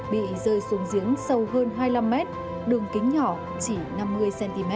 bị rơi xuống giếng sâu hơn hai mươi năm mét đường kính nhỏ chỉ năm mươi cm